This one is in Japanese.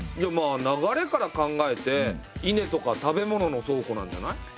まあ流れから考えて稲とか食べ物の倉庫なんじゃない。